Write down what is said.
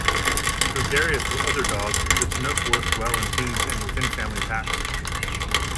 Gregarious with other dogs, the Chinook works well in teams and within family packs.